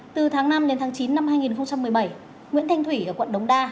từ tháng năm đến tháng chín năm hai nghìn một mươi bảy nguyễn thanh thủy ở quận đống đa